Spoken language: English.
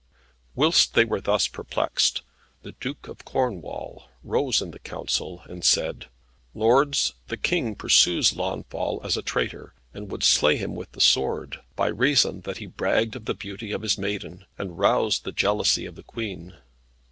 Whilst they were thus perplexed, the Duke of Cornwall rose in the council, and said, "Lords, the King pursues Launfal as a traitor, and would slay him with the sword, by reason that he bragged of the beauty of his maiden, and roused the jealousy of the Queen.